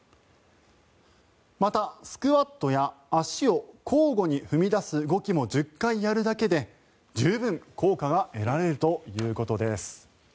また、スクワットや足を交互に踏み出す動きも１０回やるだけで十分効果が得られるということです。